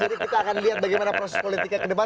jadi kita akan lihat bagaimana proses politiknya kedepan